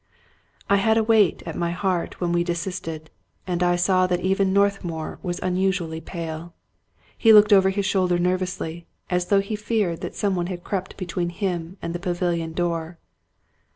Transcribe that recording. I had a weight at my heart when we desisted ; and I saw that even Northmour was unusually pale. He looked over his shoulder nervously, as though he feared that some one had crept between him and the pavilion door.